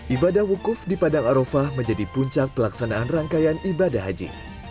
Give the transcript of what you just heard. ibadah wukuf di padang arofah menjadi puncak pelaksanaan rangkaian ibadah haji